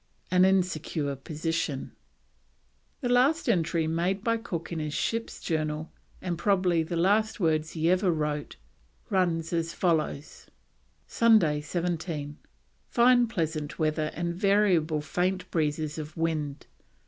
AN INSECURE POSITION. The last entry made by Cook in his Ship's Journal, and probably the last words he ever wrote, runs as follows: "Sunday 17. Fine pleasant weather and variable faint breezes of wind.